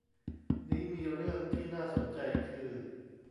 นี้มีเรื่องที่น่าสนใจคือ